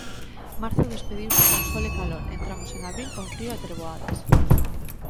Marzo despediuse con sol e calor, e entramos en abril con frío e treboadas.